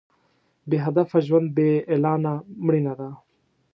بې هدفه ژوند بې اعلانه مړینه ده.